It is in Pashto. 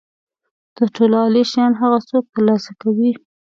تر ټولو عالي شیان هغه څوک ترلاسه کوي.